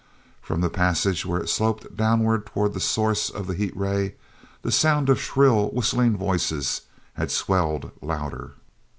From the passage, where it sloped downward toward the source of the heat ray, the sound of shrill, whistling voices had swelled louder.